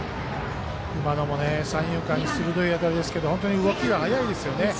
今のも、三遊間に鋭い当たりですけど本当に動きが速いですよね。